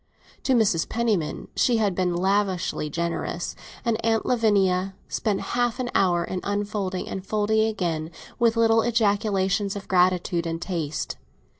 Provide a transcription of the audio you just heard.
To Mrs. Penniman she had been lavishly generous, and Aunt Lavinia spent half an hour in unfolding and folding again, with little ejaculations of gratitude and taste.